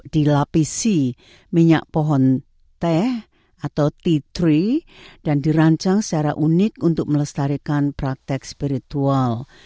dan dirancang secara unik untuk melestarikan praktek spiritual